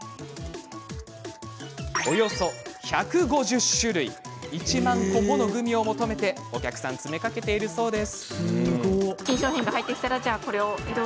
およそ１５０種類１万個ものグミを求めてお客さん詰めかけているそうです。